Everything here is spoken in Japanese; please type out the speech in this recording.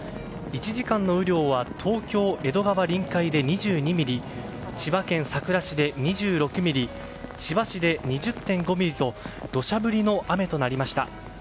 １時間の雨量は東京・江戸川臨海で２２ミリ千葉県佐倉市で２６ミリ千葉市で２０．５ミリと土砂降りの雨となりました。